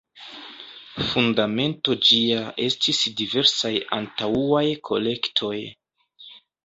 Fundamento ĝia estis diversaj antaŭaj kolektoj.